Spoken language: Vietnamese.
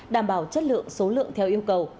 đảm bảo chất lượng số lượng theo yêu cầu